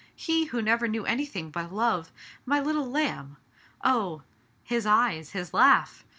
He, who never knew anything but love ? My little lamb ! Oh ! his eyes, his laugh